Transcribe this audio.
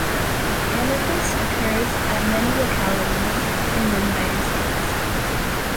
Amethyst occurs at many localities in the United States.